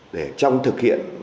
để trong thực hiện